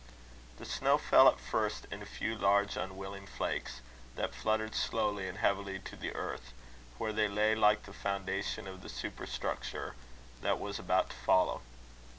The snow fell at first in a few large unwilling flakes, that fluttered slowly and heavily to the earth, where they lay like the foundation of the superstructure that was about to follow.